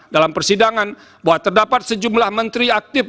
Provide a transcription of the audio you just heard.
dalam persidangan bahwa terdapat sejumlah menteri aktif